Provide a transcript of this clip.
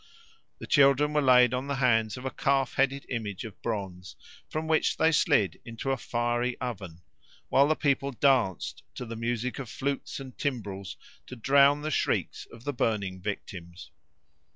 The children were laid on the hands of a calf headed image of bronze, from which they slid into a fiery oven, while the people danced to the music of flutes and timbrels to drown the shrieks of the burning victims.